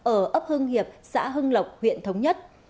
ở ấp hưng hiệp xã hưng lộc huyện thống nhất